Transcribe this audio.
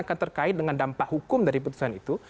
akan terkait dengan dampak hukum dari putusan itu